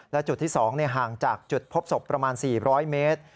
และจุดที่๒ห่างจากจุดพบศพประมาณ๔๐๐เมตร